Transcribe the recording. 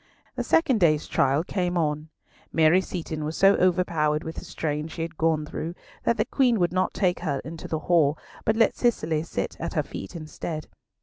The second day's trial came on. Mary Seaton was so overpowered with the strain she had gone through that the Queen would not take her into the hall, but let Cicely sit at her feet instead.